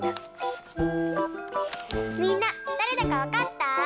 みんなだれだかわかった？